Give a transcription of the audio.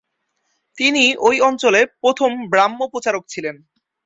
তিনিই ঐ অঞ্চলে প্রথম ব্রাহ্ম প্রচারক ছিলেন।